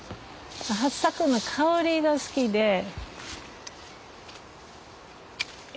はっさくの香りが好きで。